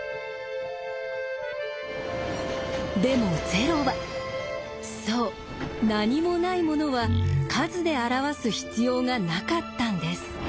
でも０はそう何もないものは数で表す必要がなかったんです。